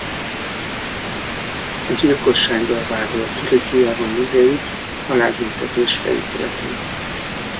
A gyilkossággal vádolt Ricky Javon Grayt halálbüntetésre ítélték.